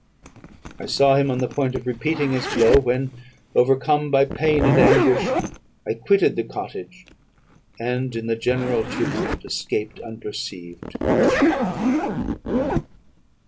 I saw him on the point of repeating his blow, when, overcome by pain and anguish, I quitted the cottage, and in the general tumult escaped unperceived to my hovel."